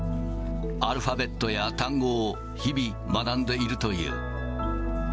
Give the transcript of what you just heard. アルファベットや単語を日々、学んでいるという。